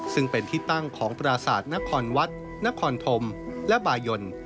ซึ่งเป็นที่ตั้งของปราศาสตร์นครวัดนครธมและบายน